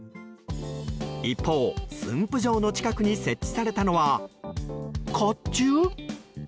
一方、駿府城の近くに設置されたのは、甲冑？